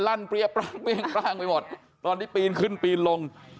เปรี้ยปร่างเปรี้ยงปร่างไปหมดตอนที่ปีนขึ้นปีนลง